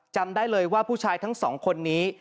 จำได้เลยว่าผู้ชายทั้งสองคนนี้